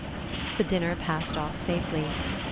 The dinner passed off safely.